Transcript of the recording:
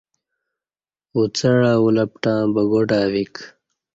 اوڅعہ اولپٹں بگاٹہ ویک